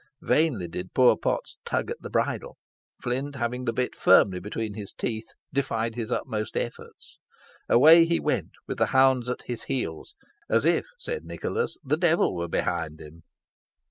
Vainly did poor Potts tug at the bridle. Flint, having the bit firmly between his teeth, defied his utmost efforts. Away he went with the hounds at his heels, as if, said Nicholas, "the devil were behind him."